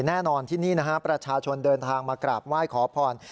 แน่นอนที่นี่นะฮะประชาชนเดินทางมากราบไหว้ขอพร